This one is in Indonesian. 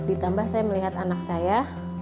ditambah saya melihat anak saya